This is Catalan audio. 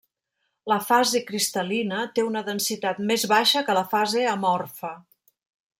La fase cristal·lina té una densitat més baixa que la fase amorfa.